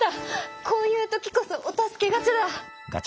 こういう時こそお助けガチャだ！